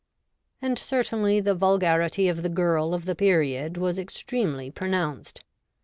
And certainly the vulgarity of the Girl of the Period was extremely pronounced.